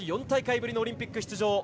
４大会ぶりのオリンピック出場。